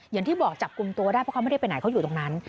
อย่างที่บอกจับกลุ่มตัวได้เพราะเขาไม่ได้ไปไหนเขาอยู่ตรงนั้น